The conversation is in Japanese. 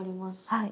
はい。